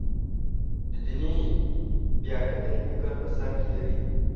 دیني بیاکتنې فکر په سر کې لري.